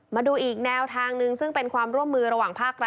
มาดูอีกแนวทางหนึ่งซึ่งเป็นความร่วมมือระหว่างภาครัฐ